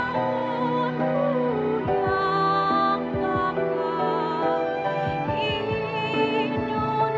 pangatmu dunia kakak